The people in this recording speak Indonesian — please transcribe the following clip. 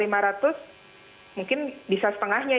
mungkin bisa setengahnya